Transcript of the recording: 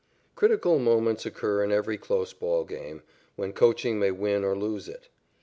_ Critical moments occur in every close ball game, when coaching may win or lose it.